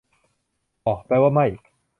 บ่ แปลว่า ไม่